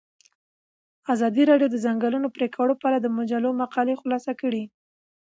ازادي راډیو د د ځنګلونو پرېکول په اړه د مجلو مقالو خلاصه کړې.